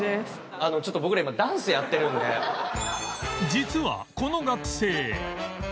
実はこの学生